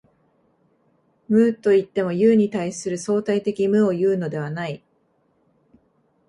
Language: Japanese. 無といっても、有に対する相対的無をいうのではない。